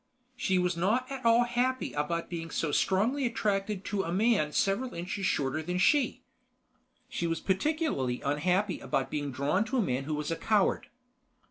She was not at all happy about being so strongly attracted to a man several inches shorter than she. She was particularly unhappy about feeling drawn to a man who was a coward.